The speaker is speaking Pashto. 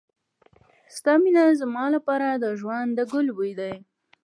ستا مینه زما لپاره د ژوند د ګل بوی دی.